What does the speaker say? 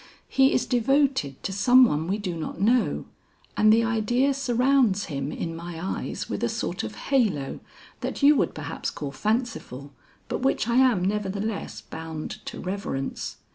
He is devoted to some one we do not know, and the idea surrounds him in my eyes with a sort of halo that you would perhaps call fanciful, but which I am nevertheless bound to reverence.